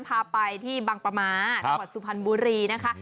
พาไปที่บางประม้าจังหวัดสุพรรณบุรีนะคะ